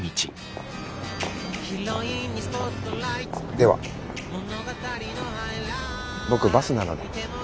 では僕バスなので。